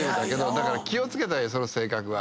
だから気を付けた方がいいその性格は。